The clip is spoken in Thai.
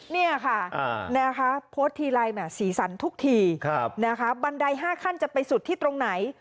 นี่ค่ะโพสต์ทีไล่หมายสีสันทุกทีบันได๕ขั้นจะไปสุดที่ตรงไหน